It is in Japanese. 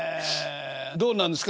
どうなんですか？